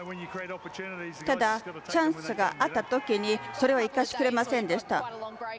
ただ、チャンスがあった時にそれを生かしきれませんでした。